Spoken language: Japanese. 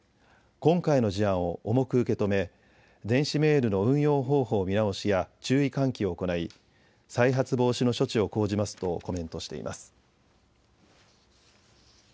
今回の事案を重く受け止め電子メールの運用方法見直しや注意喚起を行い再発防止の処置を講じますとコメントしています。